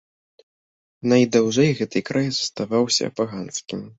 Найдаўжэй гэты край заставаўся паганскім.